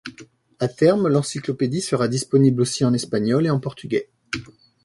À terme, l’encyclopédie sera disponible aussi en espagnol et en portugais.